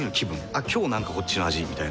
「あっ今日なんかこっちの味」みたいな。